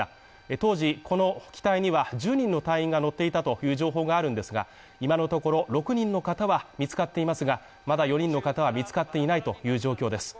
当時、この機体には１０人の隊員が乗っていたという情報があるんですが、今のところ６人の方は見つかっていますが、まだ４人の方は見つかっていないという状況です。